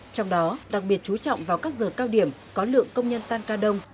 trong đó đặc biệt chú trọng vào các giờ cao điểm có lượng công nhân tan ca đông